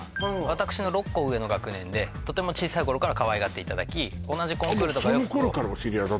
私の６個上の学年でとても小さい頃からかわいがっていただき同じコンクールとかよくその頃からお知り合いだったの？